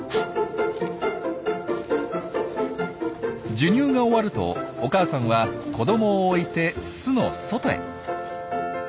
授乳が終わるとお母さんは子どもを置いて巣の外へ。